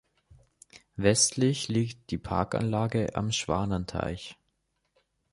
Westlich liegt die Parkanlage am Schwanenteich.